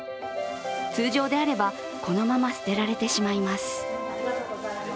通常であればこのまま捨てられてしまいます。